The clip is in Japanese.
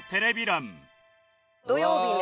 土曜日ね。